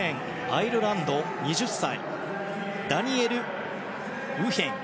アイルランドの２０歳ダニエル・ウィフェン。